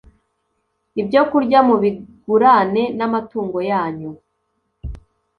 ibyokurya mubigurane namatungo yanyu